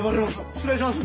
失礼します。